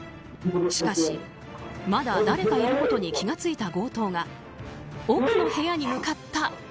しかし、まだ誰かいることに気が付いた強盗が奥の部屋に向かった。